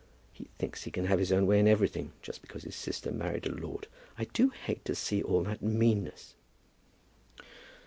He thinks he can have his own way in everything, just because his sister married a lord. I do hate to see all that meanness."